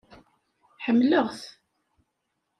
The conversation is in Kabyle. Ḥemmleɣ-t.